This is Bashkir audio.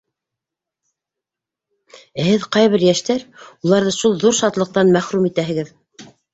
Ә һеҙ, ҡайһы бер йәштәр, уларҙы шул ҙур шатлыҡтан мәхрүм итәһегеҙ.